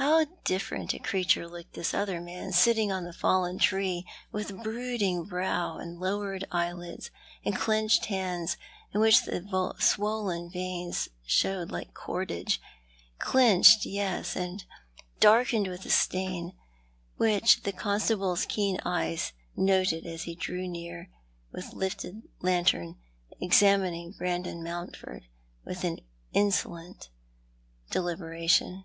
How diflferent a creature looked this other man, sitting on the fallen tree, with brooding brow and lowered eye lids, and clenched hands in which the swollen veins showed like cordage— clenched, yes, and darkened with a stain which the constable's keen eyes noted as he drew near with lifted lantern, examining Brandon Mountford with an insolent de liberation.